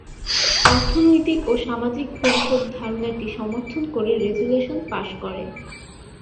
অর্থনৈতিক ও সামাজিক পরিষদ ধারণাটি সমর্থন করে রেজুলেশন পাস করে।